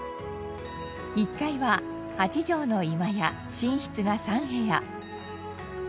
１階は８畳の居間や寝室が３部屋。